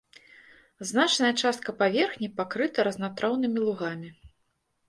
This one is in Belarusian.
Значная частка паверхні пакрыта разнатраўнымі лугамі.